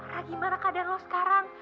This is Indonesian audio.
ra gimana keadaan lo sekarang